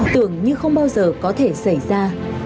tưởng như không bao giờ có thể xảy ra